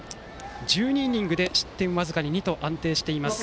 １２イニングで失点僅かに２と安定しています。